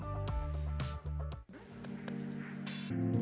jika sampah plastik yang dipilah warga sudah sesuai